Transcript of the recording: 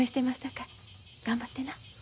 さかい頑張ってな。